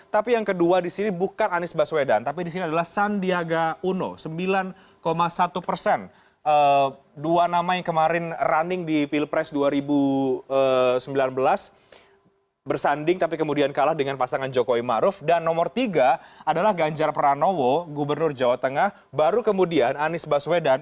tapi yang kedua di sini bukan anies baswedan